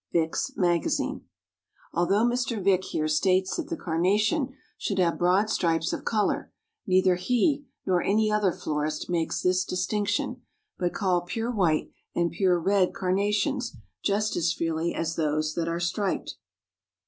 Vick's Magazine. Although Mr. Vick here states that the Carnation should have broad stripes of color, neither he, nor any other florist makes this distinction, but call pure white, and pure red Carnations, just as freely as those that are striped.